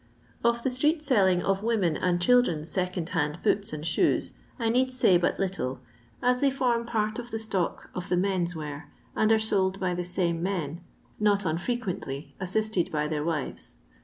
Of the street selling of womtn and children's Mcond hand boots and shoet, I need say but little, as they form part of the stock of the men's ware, and are sold by the same men, not unfrequently assisted by their wires.